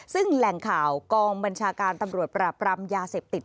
ซึ่งแหล่งข่าวกองบัญชาการตำรวจปราบรามยาเสพติด